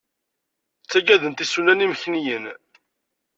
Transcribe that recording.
Ttagadent isunan imekniyen.